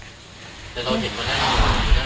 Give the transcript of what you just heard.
แต่เขาเห็นว่านั้นอยู่ดีนะ